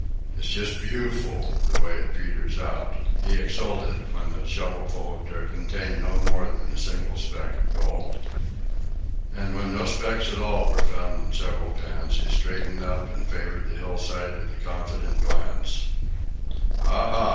"It's just booful, the way it peters out," he exulted when a shovelful of dirt contained no more than a single speck of gold. And when no specks at all were found in several pans, he straightened up and favored the hillside with a confident glance. "Ah, ha!